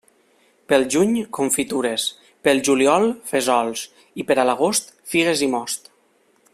Pel juny, confitures, pel juliol, fesols i per a l'agost, figues i most.